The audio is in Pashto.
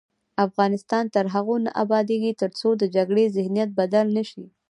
افغانستان تر هغو نه ابادیږي، ترڅو د جګړې ذهنیت بدل نه شي.